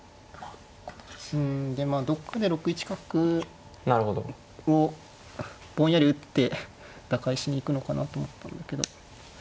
うんでまあどっかで６一角をぼんやり打って打開しに行くのかなと思ったんだけど。